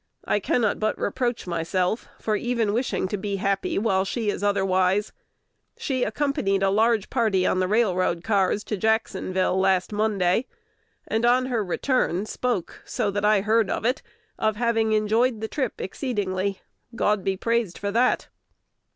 I cannot but reproach myself for even wishing to be happy while she is otherwise. She accompanied a large party on the railroad cars to Jacksonville last Monday, and on her return spoke, so that I heard of it, of having enjoyed the trip exceedingly. God be praised for that.